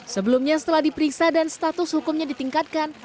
sebelumnya setelah diperiksa dan status hukumnya ditingkatkan